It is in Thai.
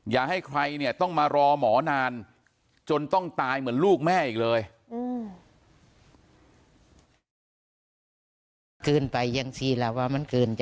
อย่าให้ใครเนี่ยต้องมารอหมอนานจนต้องตายเหมือนลูกแม่อีกเลย